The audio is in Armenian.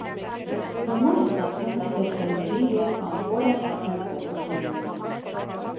Կումոլը ստացվում է տերպենների և կամֆորայի քայքայման ժամանակ։